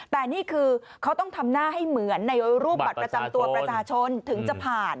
แต่นี่คือเขาต้องทำหน้าให้เหมือนในรูปบัตรประจำตัวประชาชนถึงจะผ่าน